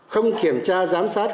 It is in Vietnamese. không kiểm tra giám sát